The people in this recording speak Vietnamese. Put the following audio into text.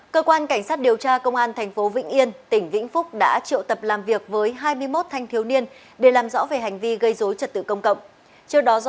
cơ quan cảnh sát điều tra công an tp vĩnh yên tỉnh vĩnh phúc đã triệu tập làm việc với hai mươi một thanh thiếu niên để làm rõ về hành vi gây dối trật tự công cộng